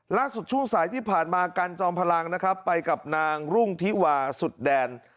ช่วงสายที่ผ่านมากันจอมพลังนะครับไปกับนางรุ่งทิวาสุดแดน